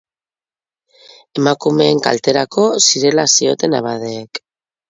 Emakumeen kalterako zirela zioten abadeek.